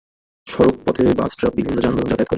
সড়ক পথে bus, truck বিভিন্ন যানবাহন যাতায়াত করে।